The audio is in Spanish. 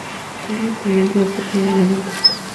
Es la integrante más pequeña de la banda.